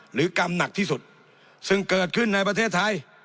กรรมหนักที่สุดซึ่งเกิดขึ้นในประเทศไทย